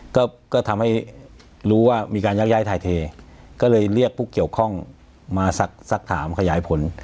ก็ก็ทำให้รู้ว่ามีการยักย้ายถ่ายเทก็เลยเรียกผู้เกี่ยวข้องมาสักถามขยายผล